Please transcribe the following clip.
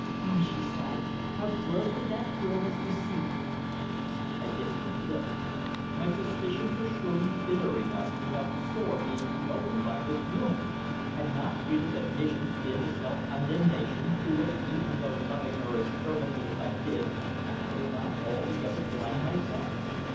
"Ah!" she sighed. "How grossly that girl has deceived you!" I bit my lip. My suspicions were surely bitter enough without the sore being re opened by this woman. Had not Phrida's admissions been a self condemnation to which, even though loving her as fervently as I did, I could not altogether blind myself.